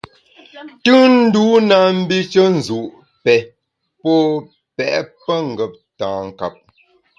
Tùnndû na mbishe nzu’, pè, pô pèt pengeptankap.